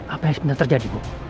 apa yang sebenar terjadi bok